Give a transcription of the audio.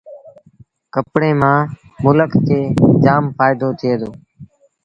ڪپڙي مآݩ ملڪ کي جآم ڦآئيٚدو ٿئي دو